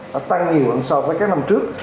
nó tăng nhiều hơn so với các năm trước